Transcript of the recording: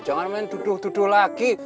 jangan main duduk duduk lagi